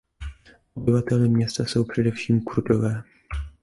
Obyvateli města jsou především Kurdové.